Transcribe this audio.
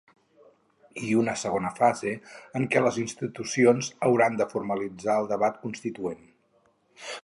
I una segona fase, en què les institucions hauran de formalitzar el debat constituent.